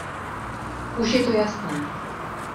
Už je to jasné.